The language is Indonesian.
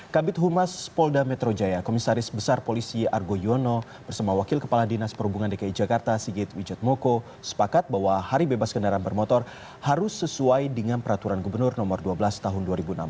kabit humas polda metro jaya komisaris besar polisi argo yono bersama wakil kepala dinas perhubungan dki jakarta sigit wijatmoko sepakat bahwa hari bebas kendaraan bermotor harus sesuai dengan peraturan gubernur no dua belas tahun dua ribu enam belas